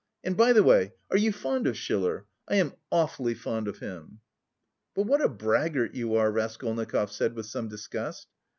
And, by the way, are you fond of Schiller? I am awfully fond of him." "But what a braggart you are," Raskolnikov said with some disgust.